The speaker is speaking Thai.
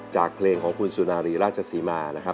จากเพลงของคุณสุนารีราชสิมา